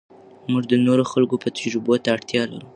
موږ د نورو خلکو تجربو ته اړتیا لرو.